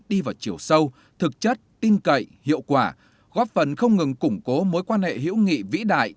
đi vào chiều sâu thực chất tin cậy hiệu quả góp phần không ngừng củng cố mối quan hệ hữu nghị vĩ đại